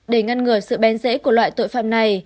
để ngăn ngừa sự bén dễ của loại tội phạm này